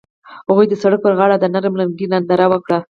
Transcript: هغوی د سړک پر غاړه د نرم لرګی ننداره وکړه.